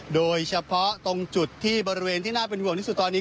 โดยเฉพาะตรงจุดที่บริเวณที่น่าเป็นห่วงที่สุดตอนนี้